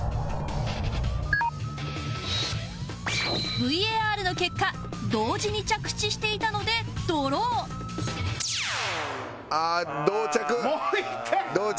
ＶＡＲ の結果同時に着地していたのでドローああ同着。